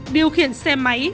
điều khiển xe máy